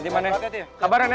jadi mane kabaran ya